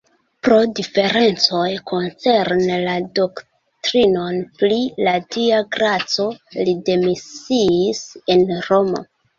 Pro diferencoj koncerne la doktrinon pri la Dia graco li demisiis en Romo.